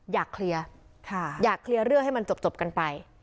อยากเคลียร์อยากเคลียร์เรื่องให้มันจบกันไป